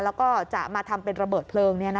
แล้วก็จะมาทำเป็นระเบิดเพลิง